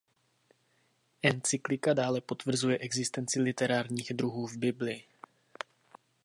Encyklika dále potvrzuje existenci literárních druhů v Bibli.